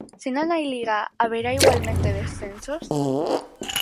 Se non hai Liga, haberá igualmente descensos?